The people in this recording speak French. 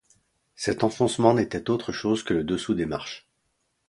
Cet enfoncement n'était autre chose que le dessous des marches.